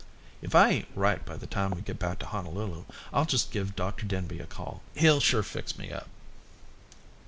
"If I ain't right by the time we get back to Honolulu I'll just give Dr Denby a call. He'll sure fix me up."